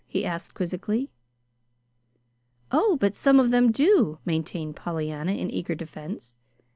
he asked quizzically. "Oh, but some of them do," maintained Pollyanna, in eager defense.